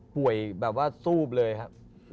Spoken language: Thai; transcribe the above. แบบว่าซูบเลยครับ